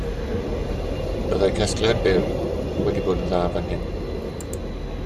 Byddai casgliad byr wedi bod yn dda fan hyn